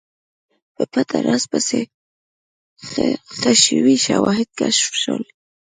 په پټ راز پسې، ښخ شوي شواهد کشف شول.